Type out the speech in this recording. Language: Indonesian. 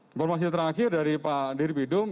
informasi terakhir dari pak diri widum